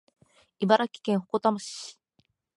茨城県鉾田市